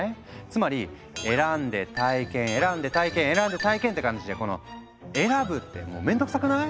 つまり「選んで体験」「選んで体験」「選んで体験」って感じでこの選ぶって面倒くさくない？